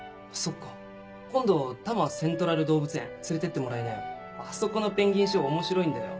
今度多摩セントラル動物園連れてってあそこのペンギンショー面白いんだよ